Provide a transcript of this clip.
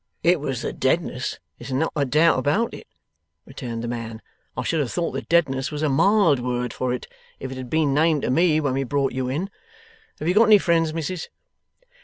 'It was the deadness, there's not a doubt about it,' returned the man. 'I should have thought the deadness was a mild word for it, if it had been named to me when we brought you in. Have you got any friends, Missis?